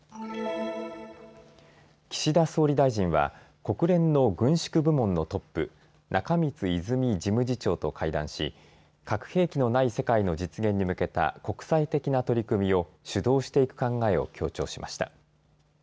岸田総理大臣は国連の軍縮部門のトップ、中満泉事務次長と会談し核兵器のない世界の実現に向けた国際的な取り組みを主導していく考えを強調しました。